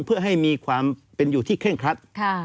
เพื่อให้มีความเป็นอยู่ที่เคร่งครัด